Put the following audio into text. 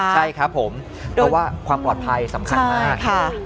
ใช่ครับผมเพราะว่าความปลอดภัยสำคัญมาก